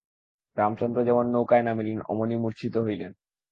রামচন্দ্র যেমন নৌকায় নামিলেন অমনি মূর্ছিত হইলেন।